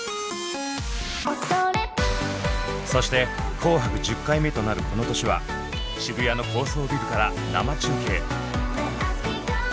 そして「紅白」１０回目となるこの年は渋谷の高層ビルから生中継。